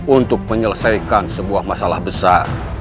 untuk menyelesaikan sebuah masalah besar